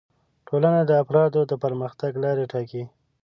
ټولنه د افرادو د پرمختګ لارې ټاکي